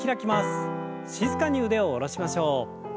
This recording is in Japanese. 静かに腕を下ろしましょう。